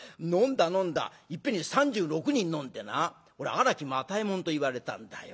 いっぺんに３６人飲んでな俺荒木又右衛門といわれたんだよ。